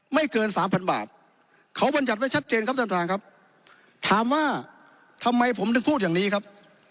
ไม่เกิน๓๐๐๐บาทเขาบรรจัดไว้ชัดเจนครับ๓๐๐๐ครับถามว่าทำไมผมถึงพูดอย่างนี้ครับ